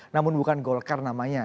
namun bukan golkar namanya